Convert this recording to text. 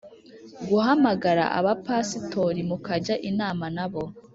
Guhamagara abapasitori mukajya inama nabo